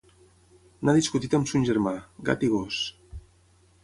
N'ha discutit amb son germà: gat i gos.